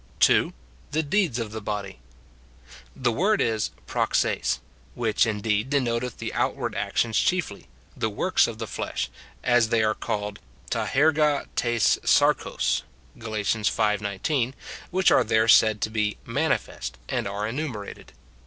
(2.) The deeds of the hody. The word is wpa^sij, which, indeed, denoteth the outward actions chiefly, " the works of the flesh," as they are called, ra sp/a ttjs tfapxos, Gal. V. 19; which are there said to be "manifest," and are enumerated.